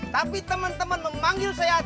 tapi teman teman memanggil sehat